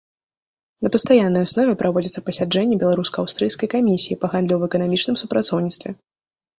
На пастаяннай аснове праводзяцца пасяджэнні беларуска-аўстрыйскай камісіі па гандлёва-эканамічным супрацоўніцтве.